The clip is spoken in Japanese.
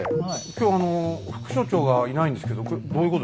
今日副所長がいないんですけどこれどういうこと？